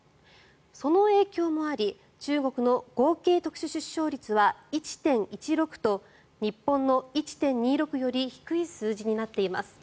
その影響もあり中国の合計特殊出生率は１．１６と日本の１．２６より低い数字になっています。